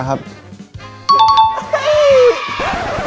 ๗ประสงค์